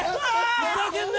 ふざけるな！